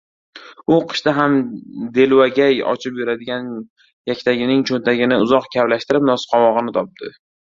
U qishda ham delvagay ochib yuradigan yaktagining cho‘ntagini uzoq kavlashtirib nosqovog‘ini topdi.